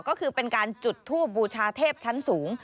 ก็คือเป็นการจุดทูบบูชาเทพชั้นสูง